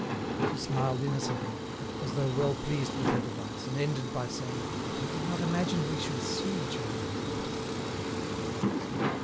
She smiled innocently, as though well pleased with her device, and ended by saying: "But I did not imagine we should see each other in the water."